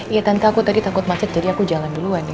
iya tanpa aku tadi takut macet jadi aku jalan duluan ya